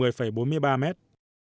huyền thông tin cho biết